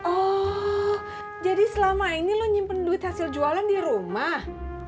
oh jadi selama ini lo nyimpen duit hasil jualan di rumah